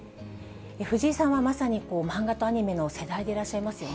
藤井さんは、まさに漫画とアニメの世代でいらっしゃいますよね。